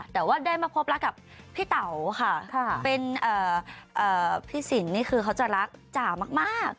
แต่ว่าได้มาพบรักกับพี่เต๋าค่ะเป็นพี่สินนี่คือเขาจะรักจ่ามาก